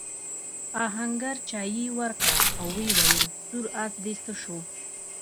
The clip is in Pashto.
آهنګر چايي ورکړه او وویل سور آس دې څه شو؟